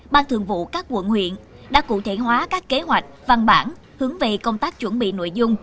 ban thường vụ các quận huyện đã cụ thể hóa các kế hoạch văn bản hướng về công tác chuẩn bị nội dung